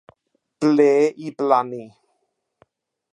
Ble i Blannu.